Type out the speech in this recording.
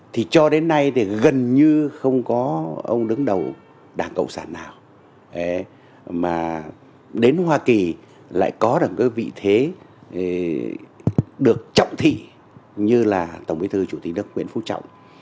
thì cho đến nay thì gần như không có ông đứng đầu đảng cộng sản nào mà đến hoa kỳ lại có được cái vị thế được trọng thị như là tổng bí thư chủ tịch nước nguyễn phú trọng